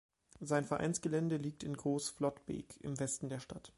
Sein Vereinsgelände liegt in Groß Flottbek im Westen der Stadt.